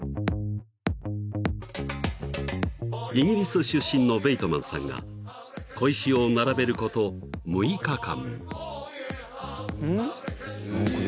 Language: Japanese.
［イギリス出身のベイトマンさんが小石を並べること６日間］